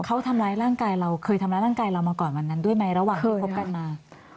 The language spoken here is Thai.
เขาทำร้ายร่างกายเราเคยทำร้ายร่างกายเรามาก่อนวันนั้นด้วยไหมระหว่างที่คบกันมา